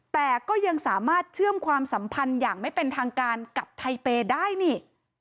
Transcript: แต่ก็ยังสามารถเชื่อมความสัมพันธ์อย่างไม่เป็นทางการกับไทเปย์ได้นี่